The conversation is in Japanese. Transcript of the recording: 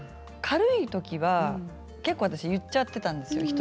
軽いときは結構、私は言っちゃってたんですよ